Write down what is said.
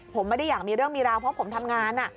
ผมไม่ได้อยากมีเรื่องมีราวเพราะผมทำงาน